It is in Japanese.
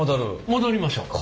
戻りましょう。